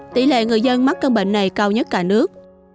tỷ lệ người dân mắc cân bệnh này cao nhất cả nước